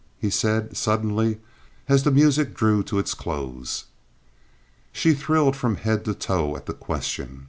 he said, suddenly, as the music drew to its close. She thrilled from head to toe at the question.